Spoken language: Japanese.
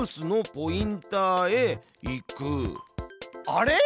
あれ？